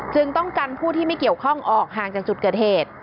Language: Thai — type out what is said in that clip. จึงต้องกันผู้ที่ไม่เกี่ยวข้องออกห่างจากจุดเกิดเหตุ